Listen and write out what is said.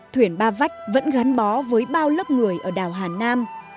thuyền ba vách vẫn gắn bó với bao lớp người ở đảo hà nam